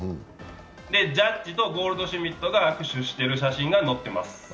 ジャッジどゴールド・シュミットが握手している写真が載ってます。